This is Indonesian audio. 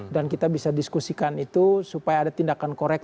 dan kita bisa diskusikan itu supaya ada tindakan korektif